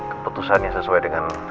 keputusan yang sesuai dengan